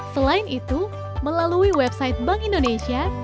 selain itu melalui website bank indonesia